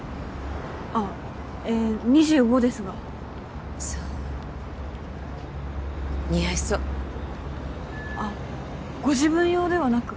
あっええ２５ですがそう似合いそうあっご自分用ではなく？